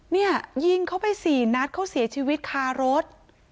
เนี่ยยิงเขาไปสี่นัดเขาเสียชีวิตคารถ